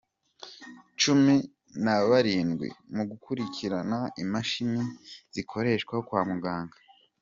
Cumi nabarindwi mu gukurikirana imashini zikoreshwa kwa muganga